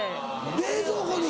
冷蔵庫に。